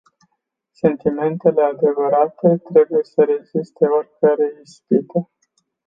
Sentimentele adevărate trebuie să reziste oricărei ispite.